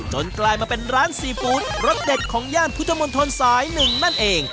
กลายมาเป็นร้านซีฟู้ดรสเด็ดของย่านพุทธมนตรสาย๑นั่นเอง